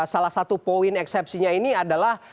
salah satu poin eksepsinya ini adalah